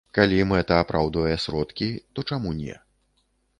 Калі мэта апраўдвае сродкі, то чаму не.